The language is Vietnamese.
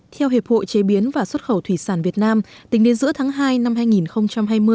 theo hiệp hội chế biến và xuất khẩu thủy sản việt nam tính đến giữa tháng hai năm hai nghìn hai mươi